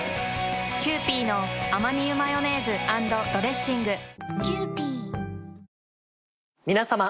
キユーピーのアマニ油マヨネーズ＆ドレッシング皆さま。